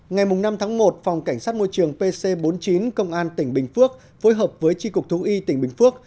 ngày năm tháng một phòng cảnh sát môi trường pc bốn mươi chín công an tỉnh bình phước phối hợp với tri cục thú y tỉnh bình phước